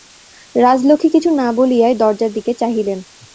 রাজলক্ষ্মী কিছু না বলিয়াই দরজার দিকে চাহিলেন।